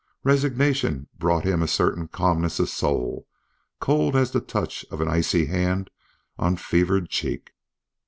Resignation brought him a certain calmness of soul, cold as the touch of an icy hand on fevered cheek.